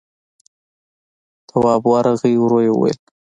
تواب ورغی، ورو يې وويل: